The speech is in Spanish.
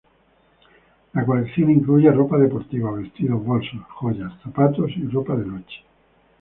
La colección incluye ropa deportiva, vestidos, bolsos, joyas, zapatos y ropa de noche.